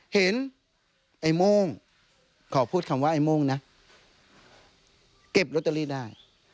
เห็นไอ้โม่งขอพูดคำว่าไอ้โม่งนะเก็บลอตเตอรี่ได้